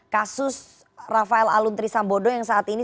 kasus rafael aluntri sambodo yang saat ini